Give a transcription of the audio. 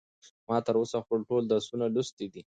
ما تر اوسه خپل ټول درسونه لوستي دي.